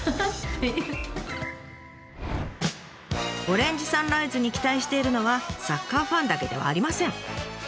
オレンジサンライズに期待しているのはサッカーファンだけではありません。